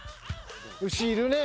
牛いるね。